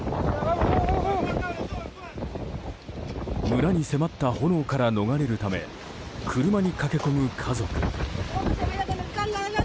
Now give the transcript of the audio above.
村に迫った炎から逃れるため車に駆け込む家族。